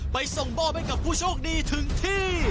ไปส่งบ้อเบ้นกับผู้โชคดีถึงที่